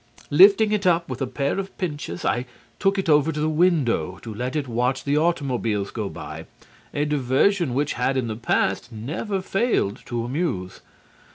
Lifting it up with a pair of pincers I took it over to the window to let it watch the automobiles go by, a diversion which had, in the past, never failed to amuse.